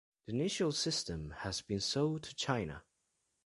The initial system has been sold to China.